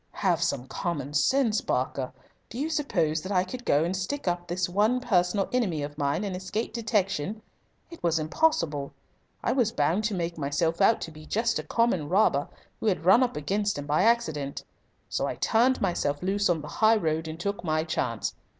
"Have some common sense, Barker. Do you suppose that I could go and stick up this one personal enemy of mine and escape detection? It was impossible. I was bound to make myself out to be just a common robber who had run up against him by accident. So I turned myself loose on the high road and took my chance.